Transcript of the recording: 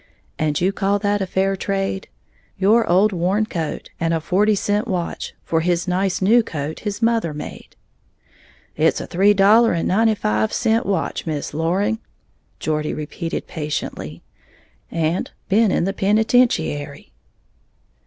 "And you call that a fair trade, your old worn coat and a forty cent watch for his nice new coat his mother made?" "It's a three dollar and ninety five cent watch, Miss Loring," Geordie repeated, patiently: "And, been in the Penitentiary!"